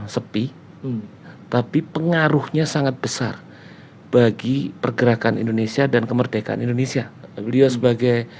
sepi tapi pengaruhnya sangat besar bagi pergerakan indonesia dan kemerdekaan indonesia beliau sebagai